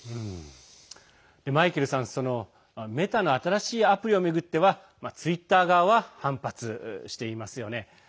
マイケルさんメタの新しいアプリを巡ってはツイッター側は反発していますね。